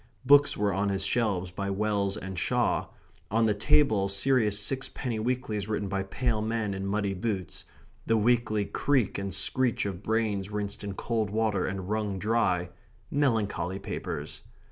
Books were on his shelves by Wells and Shaw; on the table serious six penny weeklies written by pale men in muddy boots the weekly creak and screech of brains rinsed in cold water and wrung dry melancholy papers.